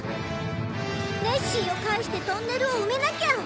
ネッシーを帰してトンネルを埋めなきゃ。